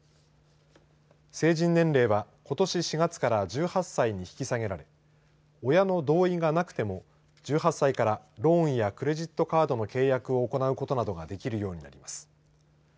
成人年齢はことし４月から１８歳に引き下げられ親の同意がなくても１８歳からローンやクレジットカードの契約を行うことなどができるようになります。